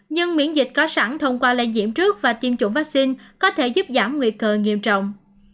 nhưng miễn dịch có sẵn thông qua lây nhiễm trước và tiêm chủng vaccine có thể giúp giảm nguy cơ nghiêm trọng